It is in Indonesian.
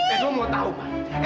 edo mau tahu ma